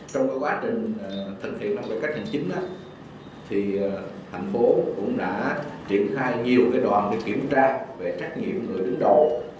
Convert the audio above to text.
trong quá trình thực hiện năng lượng cách hành chính thành phố cũng đã triển khai nhiều đoàn kiểm tra về trách nhiệm người đứng đầu